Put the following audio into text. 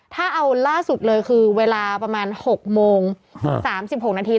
ถ้าเอาล่าสุดเลยคือเวลาประมาณ๖โมง๓๖นาที